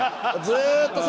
ずっとさ。